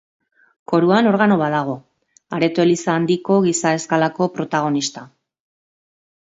Koruan organo bat dago, areto-eliza handiko giza eskalako protagonista.